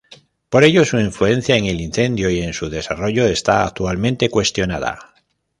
Por ello, su influencia en el incendio y en su desarrollo está actualmente cuestionada.